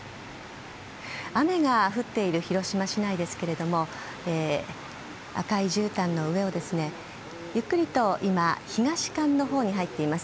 雨が降っている広島市内ですが赤いじゅうたんの上をゆっくりと今、東館のほうに入っています。